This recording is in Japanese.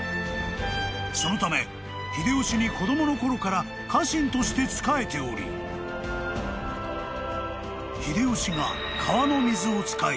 ［そのため秀吉に子供のころから家臣として仕えており秀吉が］